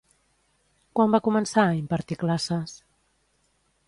Quan va començar a impartir classes?